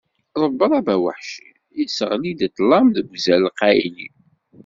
Rebrab aweḥci iseɣli-d ṭṭlam deg uzal qqayli.